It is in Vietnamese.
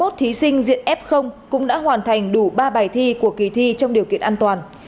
hai mươi một thí sinh diện f cũng đã hoàn thành đủ ba bài thi của kỳ thi trong điều kiện an toàn